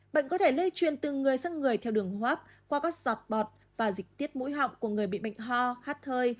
bệnh có thể lây truyền từ người sang người theo đường hấp qua các giọt bọt và dịch tiết mũi họng của người bị bệnh ho hát hơi